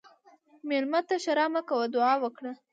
مېلمه ته ښیرا مه کوه، دعا وکړه.